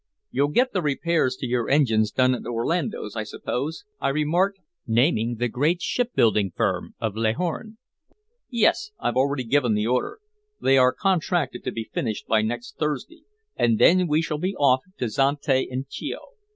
"You'll get the repairs to your engines done at Orlando's, I suppose?" I remarked, naming the great shipbuilding firm of Leghorn. "Yes. I've already given the order. They are contracted to be finished by next Thursday, and then we shall be off to Zante and Chio."